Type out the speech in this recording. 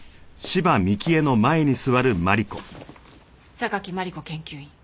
榊マリコ研究員。